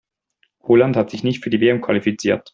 Holland hat sich nicht für die WM qualifiziert.